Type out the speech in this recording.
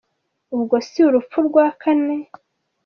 Ubwo si urupfu rwa Kane ?